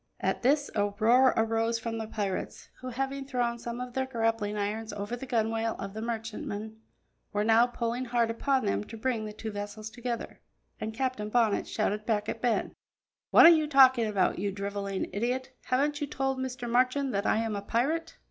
At this, a roar arose from the pirates, who, having thrown some of their grappling irons over the gunwale of the merchantman, were now pulling hard upon them to bring the two vessels together, and Captain Bonnet shouted back at Ben: "What are you talking about, you drivelling idiot; haven't you told Mr. Marchand that I am a pirate?"